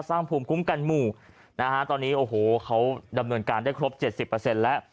สร้างภูมิคุ้มกันมุนฯนะฮะตอนนี้โอ้โหเขาดำหน่วนการได้ครบเจ็ดสิบเปอร์เซ็นต์และ